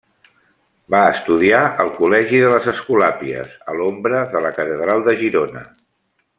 Va estudiar al col·legi de les Escolàpies a l'ombra de la Catedral de Girona.